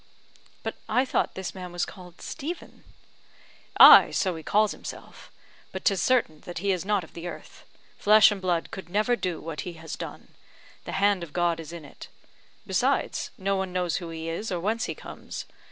"But I thought this man was called Stephen?" "Ay, so he calls himself; but 'tis certain that he is not of the earth. Flesh and blood could never do what he has done the hand of God is in it. Besides, no one knows who he is, or whence he comes.